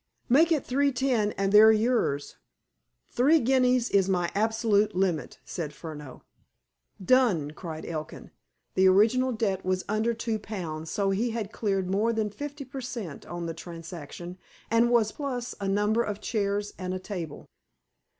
"Make it three ten and they're yours." "Three guineas is my absolute limit," said Furneaux. "Done!" cried Elkin. The original debt was under two pounds, so he had cleared more than fifty per cent. on the transaction, and was plus a number of chairs and a table.